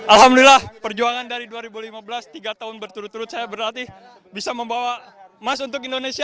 alhamdulillah perjuangan dari dua ribu lima belas tiga tahun berturut turut saya berlatih bisa membawa emas untuk indonesia